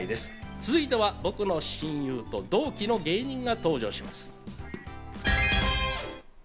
続いては、僕の親友と同期の芸人が登場します。